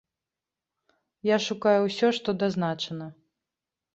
Я шукаю ўсё, што дазначана.